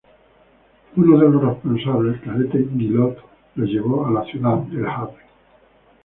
Uno de los responsables, el cadete Guillot, lo llevó a la ciudad El Havre.